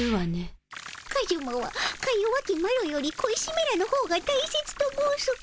カジュマはかよわきマロより小石めらのほうがたいせつと申すか。